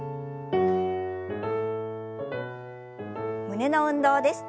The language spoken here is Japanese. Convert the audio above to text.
胸の運動です。